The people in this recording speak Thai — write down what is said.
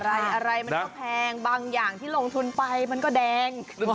อะไรอะไรมันก็แพงบางอย่างที่ลงทุนไปมันก็แดง